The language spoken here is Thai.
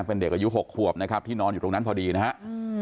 เป็นเด็กอายุ๖ขวบนะครับที่นอนอยู่ตรงนั้นพอดีนะครับ